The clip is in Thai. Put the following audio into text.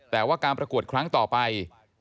แต่ว่าการประกวดครั้งต่อไป